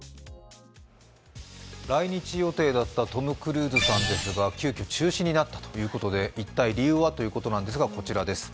来日予定だったトム・クルーズさんですが急きょ中止になったということで一体、理由はということでこちらです